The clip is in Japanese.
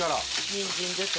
にんじんです。